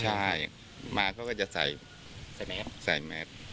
ใช่มาเขาก็จะใส่แมท